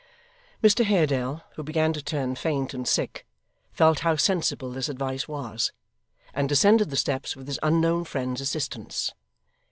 Mr Haredale, who began to turn faint and sick, felt how sensible this advice was, and descended the steps with his unknown friend's assistance.